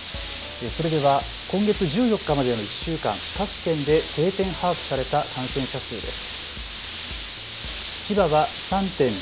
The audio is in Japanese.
それでは今月１４日までの１週間、各県で定点把握された感染者数です。